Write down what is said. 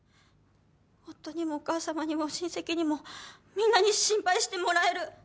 夫にもお母さまにも親戚にもみんなに心配してもらえる。